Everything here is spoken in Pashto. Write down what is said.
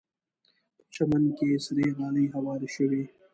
په چمن کې سرې غالۍ هوارې شوې.